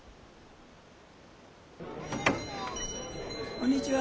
こんにちは。